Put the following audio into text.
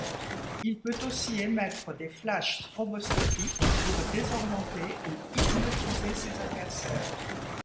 Il peut aussi émettre des flashs stroboscopiques pour désorienter ou hypnotiser ses adversaires.